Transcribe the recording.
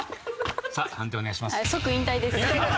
さあ判定お願いします。